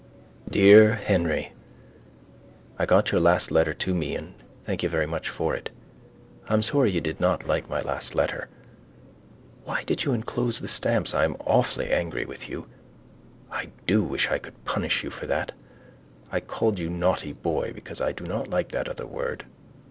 Dear Henry I got your last letter to me and thank you very much for it. I am sorry you did not like my last letter. Why did you enclose the stamps? I am awfully angry with you. I do wish I could punish you for that. I called you naughty boy because I do not like that other world.